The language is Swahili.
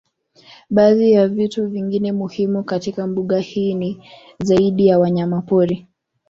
Baadhi ya vitu vingine muhimu katika mbuga hii ni zaidi ya wanyamapori